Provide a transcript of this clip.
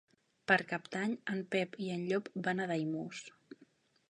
Per Cap d'Any en Pep i en Llop van a Daimús.